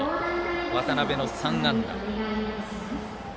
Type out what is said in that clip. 渡邊の３安打。